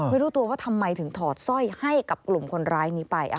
ไม่รู้ตัวว่าทำไมถึงถอดสร้อยให้กับกลุ่มคนร้ายนี้ไป